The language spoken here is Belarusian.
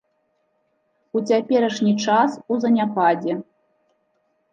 У цяперашні час у заняпадзе.